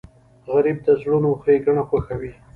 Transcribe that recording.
غریب د زړونو ښیګڼه خوښوي